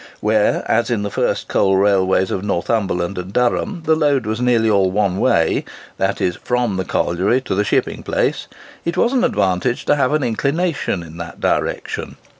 Where, as in the first coal railways of Northumberland and Durham, the load was nearly all one way,—that is, from the colliery to the shipping place,—it was an advantage to have an inclination in that direction.